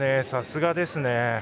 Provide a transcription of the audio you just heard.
さすがですね。